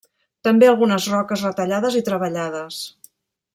També algunes roques retallades i treballades.